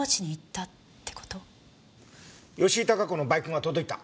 吉井孝子のバイクが届いた。